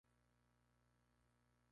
West et al.